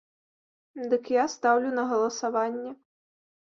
Дык я стаўлю на галасаванне.